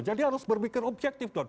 jadi harus berpikir objektif